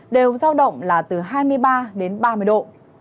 đều giao động là từ hai mươi ba đến ba mươi độ